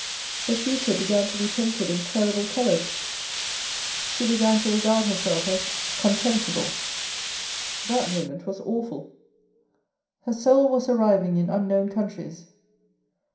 The future began to be painted in terrible colours. She began to regard herself as contemptible. That moment was awful. Her soul was arriving in unknown countries.